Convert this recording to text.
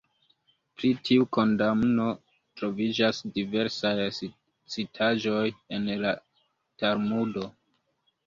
Pri tiu kondamno troviĝas diversaj citaĵoj en la Talmudo.